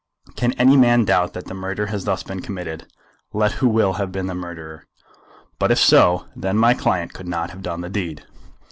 Can any man doubt that the murder has thus been committed, let who will have been the murderer? But, if so, then my client could not have done the deed."